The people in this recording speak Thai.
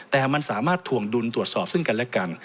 แต่มันสามารถถวงดุลตรวจสอบซึ่งกันและกัน